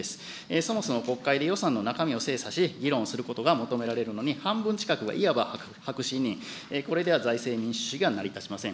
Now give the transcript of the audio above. そもそも国会で予算の中身を精査し、議論することが求められるのに、半分近くがいわば白紙委任、これでは財政民主主義は成り立ちません。